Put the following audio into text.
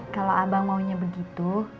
kalau abang maunya begitu